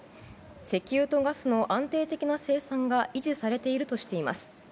石油とガスの安定的な生産が維持されているとしています。